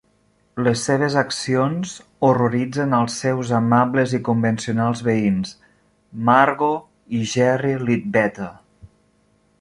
Les seves accions horroritzen als seus amables i convencionals veïns, Margo i Jerry Leadbetter.